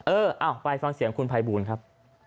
เออไปฟังเสียงคุณภัยบูลครับ